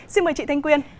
xin mời chị thanh quyên